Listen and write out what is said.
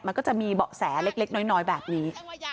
มันก็จะมีเบาะแสเล็กน้อยแบบนี้